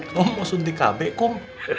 kamu mau suntik kb kang